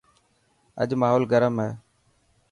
اڄ ماحول گرم هي.